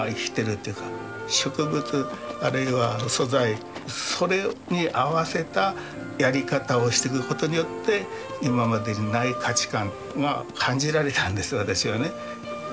植物あるいは素材それに合わせたやり方をしていくことによって今までにない価値観が感じられたんです私はね。